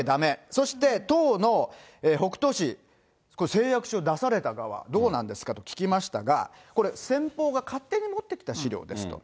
そして、当の北杜市、これ、誓約書出された側、どうなんですかと聞きましたが、これ、先方が勝手に持ってきた資料ですと。